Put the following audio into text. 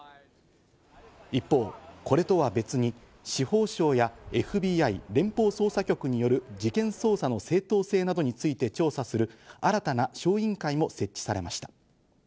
一方、これとは別に、司法省やＦＢＩ＝連邦捜査局による事件捜査の正当性などについて調査する新たな小委員会も設置されました。